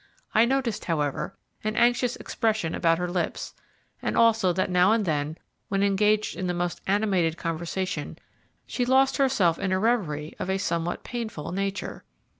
I noticed, however, an anxious expression about her lips, and also that now and then, when engaged in the most animated conversation, she lost herself in a reverie of a somewhat painful nature.